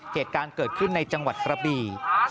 เหตุการณ์เกิดขึ้นในจังหวัดกระบี่